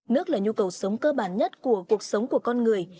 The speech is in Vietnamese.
nước là nhu cầu sống cơ bản nhất của cuộc sống của con người